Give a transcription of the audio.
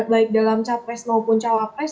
baik dalam capres maupun cawapres